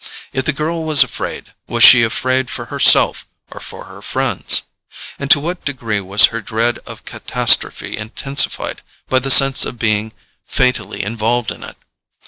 If the girl was afraid, was she afraid for herself or for her friends? And to what degree was her dread of a catastrophe intensified by the sense of being fatally involved in it?